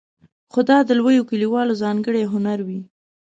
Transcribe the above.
خو دا د لویو لیکوالو ځانګړی هنر وي.